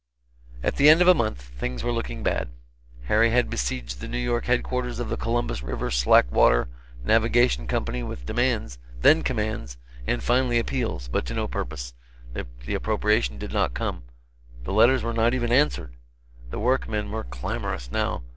At the end of a month things were looking bad. Harry had besieged the New York headquarters of the Columbus River Slack water Navigation Company with demands, then commands, and finally appeals, but to no purpose; the appropriation did not come; the letters were not even answered. The workmen were clamorous, now.